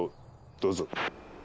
どうぞ。